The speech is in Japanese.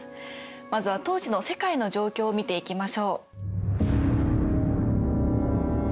まずは当時の世界の状況を見ていきましょう。